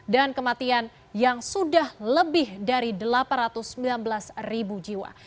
dan kematian yang sudah lebih dari delapan ratus sembilan belas ribu jiwa